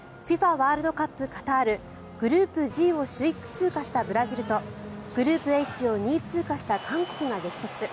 ワールドカップカタールグループＧを首位通過したブラジルとグループＨを２位通過した韓国が激突。